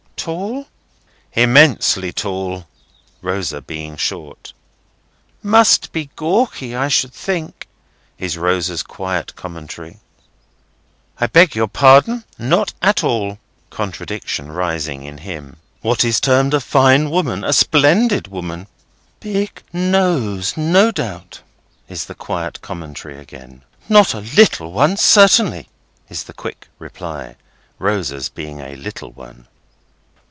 "Tall?" "Immensely tall!" Rosa being short. "Must be gawky, I should think," is Rosa's quiet commentary. "I beg your pardon; not at all," contradiction rising in him. "What is termed a fine woman; a splendid woman." "Big nose, no doubt," is the quiet commentary again. "Not a little one, certainly," is the quick reply, (Rosa's being a little one.)